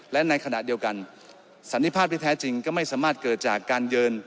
และในขณะเดียวกันสันนิภาพที่แท้จริงก็ไม่สามารถเกิดจากการเยิน